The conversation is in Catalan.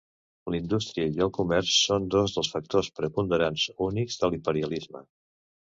La indústria i el comerç són dos dels factors preponderants únics de l'imperialisme.